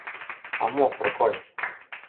А мо, Прокой?..